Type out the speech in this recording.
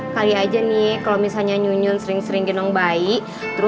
kalau ma ikut ya nyunyun ikut